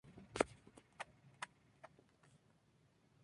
Su principal área es la taxonomía y demás estudios de la familia "Poaceae".